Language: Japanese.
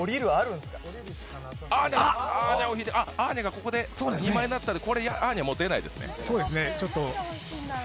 あ、アーニャがここで２枚になったら、これ、アーニャはもう出ないですね。